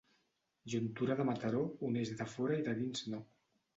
Juntura de Mataró, uneix de fora i de dins no.